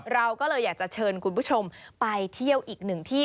เราก็เลยอยากจะเชิญคุณผู้ชมไปเที่ยวอีกหนึ่งที่